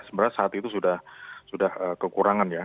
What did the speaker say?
sebenarnya saat itu sudah kekurangan ya